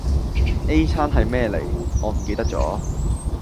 A 餐係咩嚟我唔記得咗